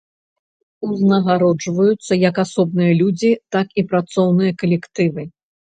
Узнагароджваюцца як асобныя людзі, так і працоўныя калектывы.